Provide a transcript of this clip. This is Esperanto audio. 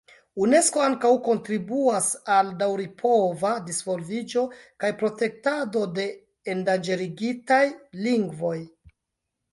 Unesko ankaŭ kontribuas al daŭripova disvolviĝo kaj protektado de endanĝerigitaj lingvoj.